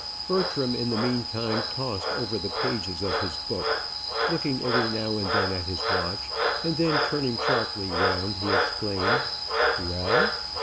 Bertram in the meantime tossed over the pages of his book, looking every now and then at his watch; and then turning sharply round, he exclaimed, "Well!"